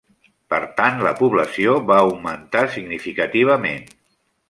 Per tant la població va augmentar significativament.